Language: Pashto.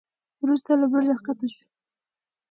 وروسته له برجه کښته شو.